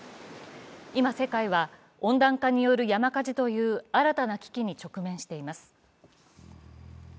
今、世界は温暖化による山火事という新たな危機に直面しています。